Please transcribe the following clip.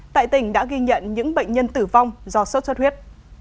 tại tỉnh đã ghi nhận những bệnh nhân tử vong do sốt xuất huyết